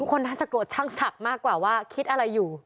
คนน่าจะโกรธช่างศักดิ์มากกว่าว่าคิดอะไรอยู่